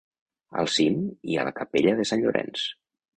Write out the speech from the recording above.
Al cim hi ha la Capella de Sant Llorenç.